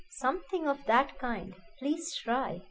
"Something of that kind. Please try.